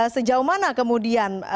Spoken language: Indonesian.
sejauh mana kemudian